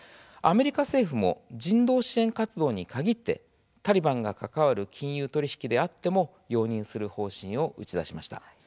アメリカ政府も人道支援活動に限ってタリバンが関わる金融取引であっても容認する方針を打ち出しました。